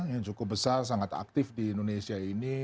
yang cukup besar sangat aktif di indonesia ini